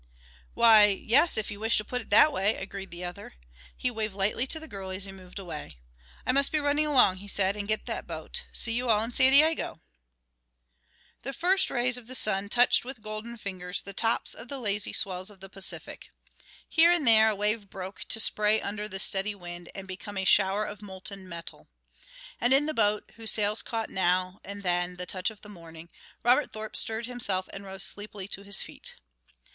"Why, yes, if you wish to put it that way," agreed the other. He waved lightly to the girl as he moved away. "I must be running along," he said, "and get that boat. See you all in San Diego!" The first rays of the sun touched with golden fingers the tops of the lazy swells of the Pacific. Here and there a wave broke to spray under the steady wind and became a shower of molten metal. And in the boat, whose sails caught now and then the touch of morning, Robert Thorpe stirred himself and rose sleepily to his feet.